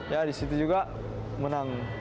ya disitu juga menang